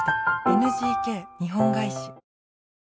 「ＮＧＫ日本ガイシ」